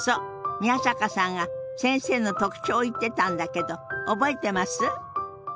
宮坂さんが先生の特徴を言ってたんだけど覚えてます？